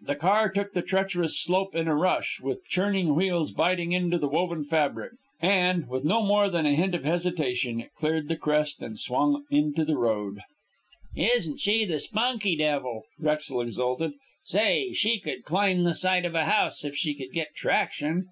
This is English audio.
The car took the treacherous slope in a rush, with churning wheels biting into the woven fabrics; and, with no more than a hint of hesitation, it cleared the crest and swung into the road. "Isn't she the spunky devil!" Drexel exulted. "Say, she could climb the side of a house if she could get traction."